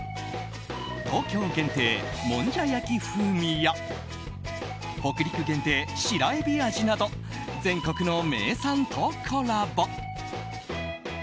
東京限定もんじゃ焼き風味や北陸限定白えび味など全国の名産とコラボ。